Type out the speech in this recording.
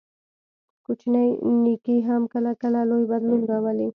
کوچنی نیکي هم کله کله لوی بدلون راولي.